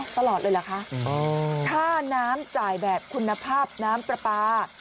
ตลอดเลยเหรอคะค่าน้ำจ่ายแบบคุณภาพน้ำปลาปลา